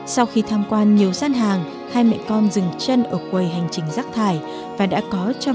hai nghìn một mươi chín sau khi tham quan nhiều sát hàng hai mẹ con dừng chân ở quầy hành trình rác thải và đã có cho